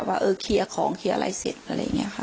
ว่าเออเคลียร์ของเคลียร์อะไรเสร็จอะไรอย่างนี้ค่ะ